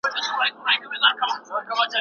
دروازه په لغته وهل ښه کار نه دی.